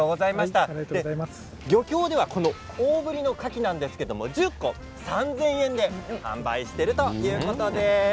漁協では大ぶりなかき１０個３０００円で販売しているということです。